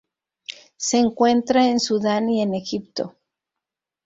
Se encuentra en Sudán y en Egipto.